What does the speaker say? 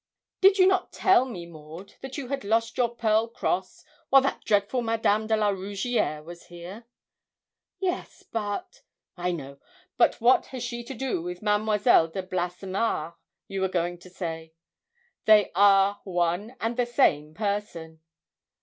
"' 'Did not you tell me, Maud, that you had lost your pearl cross while that dreadful Madame de la Rougierre was here?' 'Yes; but ' 'I know; but what has she to do with Mademoiselle de Blassemare, you were going to say they are one and the same person.'